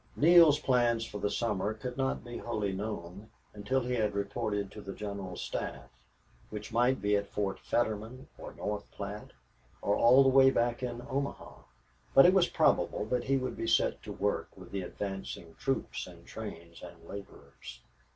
Neale's plans for the summer could not be wholly known until he had reported to the general staff, which might be at Fort Fetterman or North Platte or all the way back in Omaha. But it was probable that he would be set to work with the advancing troops and trains and laborers.